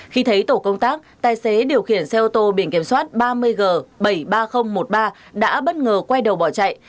khi thấy tổ công tác tài xế điều khiển xe ô tô biển kiểm soát ba mươi g bảy mươi ba nghìn một mươi ba đã bất ngờ quay đầu bỏ chạy